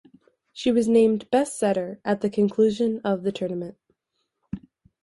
She was named "Best Setter" at the conclusion of the tournament.